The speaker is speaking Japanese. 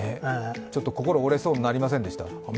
心が折れそうになりませんでした？